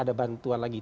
ada bantuan lagi